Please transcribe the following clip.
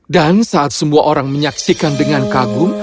dan saat semua orang menyaksikan dengan kagum